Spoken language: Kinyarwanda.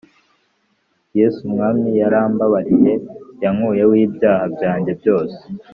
Yes' Umwami yarambabariye. Yankuyehw ibyaha byanjye byose.